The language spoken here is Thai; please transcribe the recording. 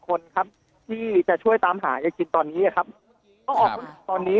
คนครับที่จะช่วยตามหาอย่างที่ตอนนี้อะครับตอนนี้